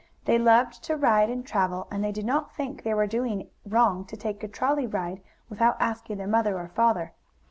They loved to ride and travel, and they did not think they were doing wrong to take a trolley ride without asking their mother or father.